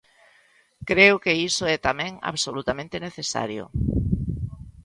Creo que iso é tamén absolutamente necesario.